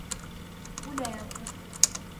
Үлә яҙҙым.